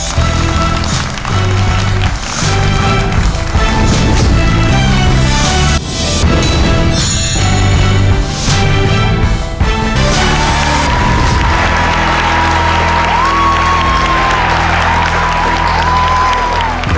มากครับ